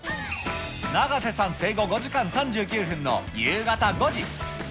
永瀬さん生後５時間３９分の夕方５時。